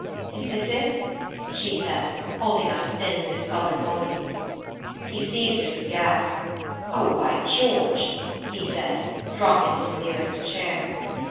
"Is this it?" she said, holding out a thin discolored volume. He seized it with a gasp. "Oh, by George," he said, dropping into the nearest chair.